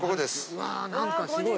わぁ何かすごい。